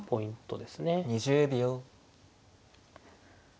２０秒。